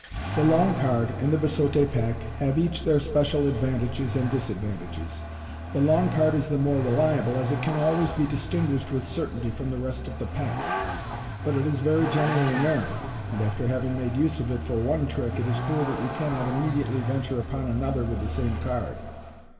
The long card and the biseaule pack have each their special ad vantages and disad Fig. 35. vantages. The long card is the more reli able, as it can always be distinguished with certainty from the rest of the pack ; but it is very generally known, and after having made use of it for one trick, it is clear that you cannot immediately venture upon another with the same card.